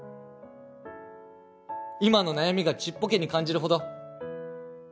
今の悩みがちっぽけに感じるほど